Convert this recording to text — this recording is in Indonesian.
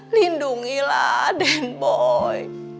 lindungilah haden boy